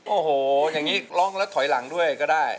โอ้โหอย่างนี้ร้องแล้วถอยหลังด้วยก็ได้